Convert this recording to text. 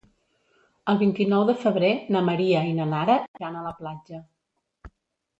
El vint-i-nou de febrer na Maria i na Nara iran a la platja.